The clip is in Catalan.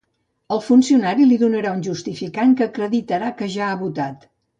El funcionari li donarà un justificant que acreditarà que ja ha votat.